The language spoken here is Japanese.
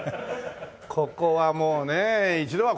ここはもうね一度は来ないと。